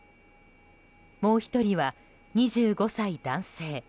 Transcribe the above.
もう１人は２５歳男性。